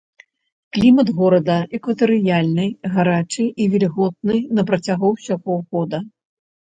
Клімат горада экватарыяльны, гарачы і вільготны на працягу ўсяго года.